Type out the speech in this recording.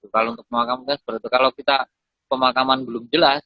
kalau untuk pemakaman kan seperti itu kalau kita pemakaman belum jelas